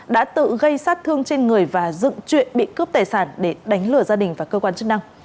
đã tự gây sát thương trên người và dựng chuyện bị cướp tài sản để đánh lừa gia đình và cơ quan chức năng